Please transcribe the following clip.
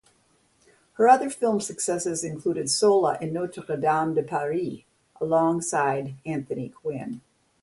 Her other film successes included "Sola" and "Notre Dame De Paris", alongside Anthony Quinn.